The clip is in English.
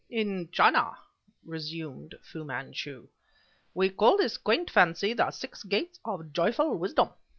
"In China," resumed Fu Manchu, "we call this quaint fancy the Six Gates of joyful Wisdom.